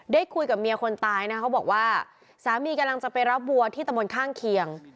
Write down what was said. คุยกับเมียคนตายนะเขาบอกว่าสามีกำลังจะไปรับวัวที่ตะมนต์ข้างเคียง